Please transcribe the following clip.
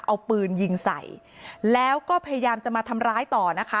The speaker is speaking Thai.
เอาปืนยิงใส่แล้วก็พยายามจะมาทำร้ายต่อนะคะ